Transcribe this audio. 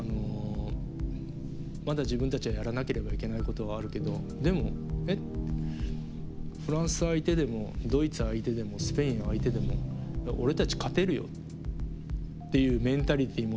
まだ自分たちがやらなければいけないことはあるけどでも「えっフランス相手でもドイツ相手でもスペイン相手でも俺たち勝てるよ」っていうメンタリティー持ってます。